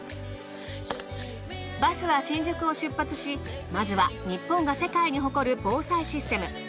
バスは新宿を出発しまずは日本が世界に誇る防災システム